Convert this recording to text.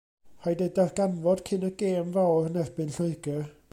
Rhaid eu darganfod cyn y gêm fawr yn erbyn Lloegr.